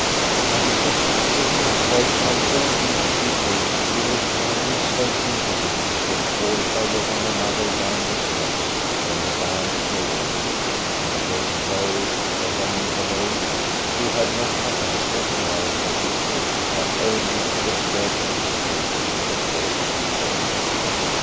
And he could picture to himself how all these people who were dragging so eagerly would fall over one another down the steps when the bands gave way, and the whole row of them below, who had not got up as far as his cape, but only to the skirts of his coat, would also fall.